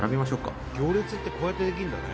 伊達：行列ってこうやってできるんだね。